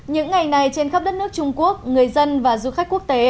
những ngày này trên khắp đất nước trung quốc người dân và du khách quốc tế